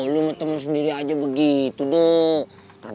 lo mau temen sendiri aja begitu dong